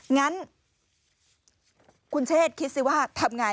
งั้นคุณเชษคิดสิว่าทำไง